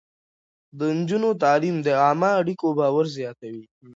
د نجونو تعليم د عامه اړيکو باور زياتوي.